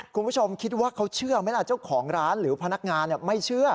คุณผู้ชมคิดว่าเขาเชื่อไหมล่ะเจ้าของร้านหรือพนักงานไม่เชื่อ